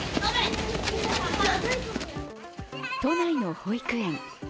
都内の保育園。